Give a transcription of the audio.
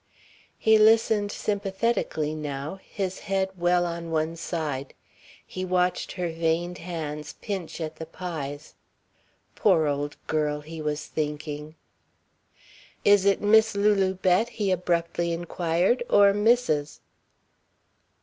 He listened sympathetically now, his head well on one side. He watched her veined hands pinch at the pies. "Poor old girl," he was thinking. "Is it Miss Lulu Bett?" he abruptly inquired. "Or Mrs.?"